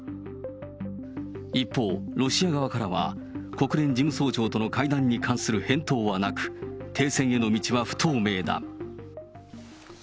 一方、ロシア側からは、国連事務総長との会談に関する返答はなく、停戦への道は不透明だ。